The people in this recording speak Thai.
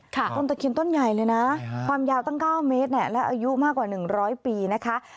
ต้นตะเคียนต้นใหญ่เลยนะความยาวตั้ง๙เมตรและอายุมากกว่า๑๐๐ปีนะคะ